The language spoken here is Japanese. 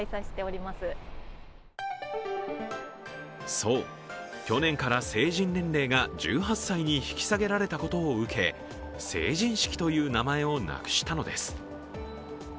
そう、去年から成人年齢が１８歳に引き下げられたことを受け成人式という名前をなくしたのです。